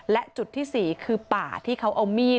และจุดที่๔คือป่าที่เขาเอามีด